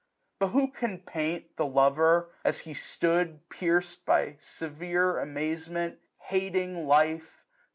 But who can paint the lover, as he stood, Pierc'd by severe amazement, hating life.